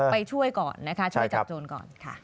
ไปช่วยก่อนนะคะช่วยจับโจรก่อนค่ะ